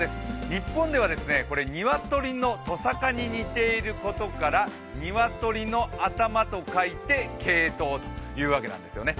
日本では鶏のとさかに似ていることから鶏の頭と書いて鶏頭というわけなんですよね